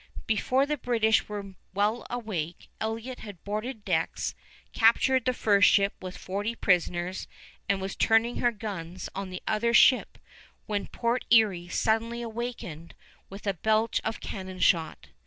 Before the British were well awake, Elliott had boarded decks, captured the fur ship with forty prisoners, and was turning her guns on the other ship when Port Erie suddenly awakened with a belch of cannon shot.